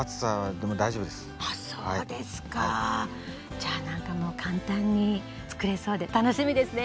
じゃあ何かもう簡単に作れそうで楽しみですね。